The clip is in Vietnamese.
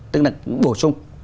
tức là bổ sung